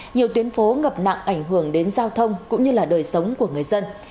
nhiều tuyến phố ngập nặng ảnh hưởng đến giao thông cũng như là đời sống của người dân